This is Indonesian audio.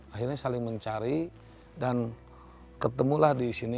akhirnya saling mencari dan ketemulah di sini